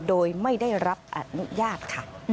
โดยไม่ได้รับอนุญาตค่ะ